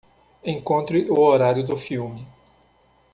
Encontre o horário do filme.